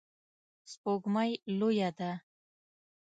سپوږمۍ لویه ده